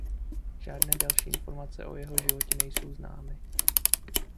Žádné další informace o jeho životě nejsou známy.